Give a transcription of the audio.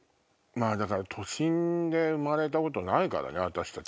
だから都心で生まれたことないからね私たち。